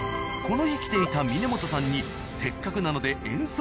この日来ていた峯本さんにせっかくなのですごっ。